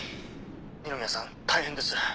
二宮さん大変です。